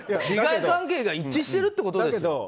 利害関係が一致してるってことですよ。